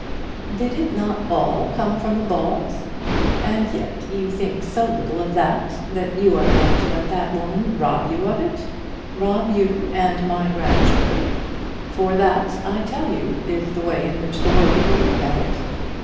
Did it not all come from the Balls? And yet you think so little of that, that you are going to let that woman rob you of it rob you and my grandchildren; for that, I tell you, is the way in which the world will look at it.